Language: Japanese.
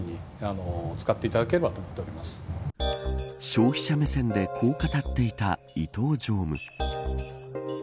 消費者目線でこう語っていた伊東常務。